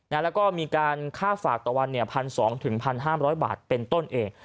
แล้วก็มีการค่าฝากต่อวัน๑๒๐๐๑๕๐๐บาทเป็นต้นเอง